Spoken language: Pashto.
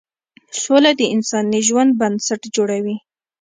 سوله د انساني ژوند بنسټ جوړوي.